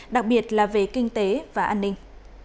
đặc biệt là về kinh tế và an ninh